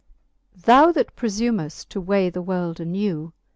Thou that prefum'ft to weigh the world anew.